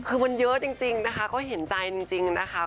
คือมันเยอะจริงนะคะก็เห็นใจจริงนะคะ